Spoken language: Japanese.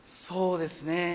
そうですね。